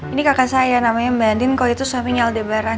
ini kakak saya namanya mbak din kok itu suaminya aldebaran